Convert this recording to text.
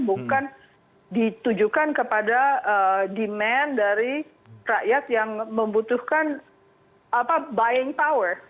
bukan ditujukan kepada demand dari rakyat yang membutuhkan buying power